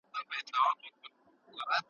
لوستې نجونې د خلکو ترمنځ همغږي رامنځته کوي.